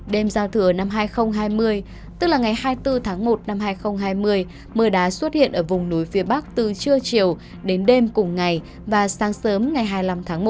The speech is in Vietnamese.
đêm giao thừa năm hai nghìn hai mươi tức là ngày hai mươi bốn tháng một năm hai nghìn hai mươi mưa đá xuất hiện ở vùng núi phía bắc từ trưa chiều đến đêm cùng ngày và sáng sớm ngày hai mươi năm tháng một